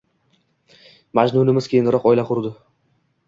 Majnunimiz keyinroq oila qurdi.